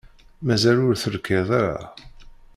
Mazal ur terkid ara.